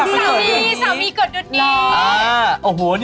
สามีเกิดตัวนี้